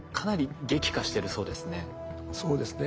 そうですね。